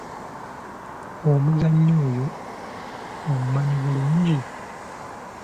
Omuzannyi oyo omumanyi bulungi?